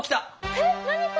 えっ何これ！？